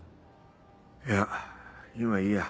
いや今いいや。